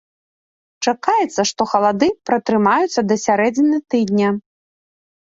Чакаецца, што халады пратрымаюцца да сярэдзіны тыдня.